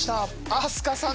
飛鳥さん